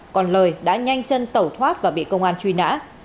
còn lời đã nhanh chân tẩu thoát và bị công an truy nã